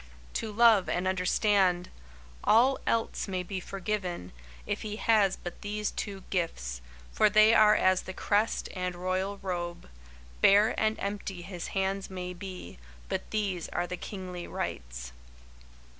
"To Love and Understand!" All else may be forgiven, if he has but these two gifts, for they are as the crest and royal robe. Bare and empty his hands may be, but these are the kingly rights.